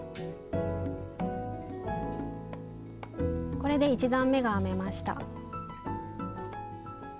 これで１段めが編めました。